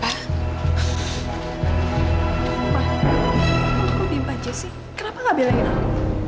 pak kok bimpa jessy kenapa gak bilangin aku